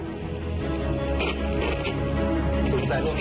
นายหลวงไม่ใช่เทวดานะคะ